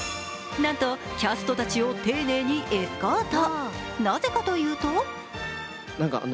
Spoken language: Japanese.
なんとキャストたちを丁寧にエスコート。